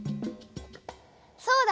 そうだ。